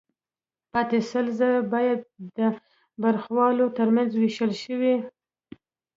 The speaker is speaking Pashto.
پاتې سل زره باید د برخوالو ترمنځ ووېشل شي